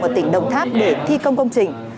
ở tỉnh đồng tháp để thi công công trình